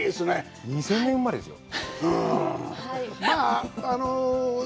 ２０００年生まれですよ。